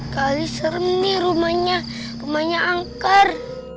kali serem nih rumahnya rumahnya angker